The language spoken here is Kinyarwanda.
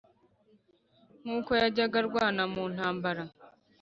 nk uko yajyaga arwana mu ntambara